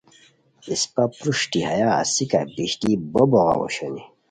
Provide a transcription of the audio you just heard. اسپہ پروشٹی ہیا اسیکہ بشلی بو بوغاؤ اوشونی